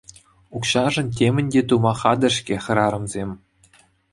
Укҫашӑн темӗн те тума хатӗр-ҫке хӗрарӑмсем.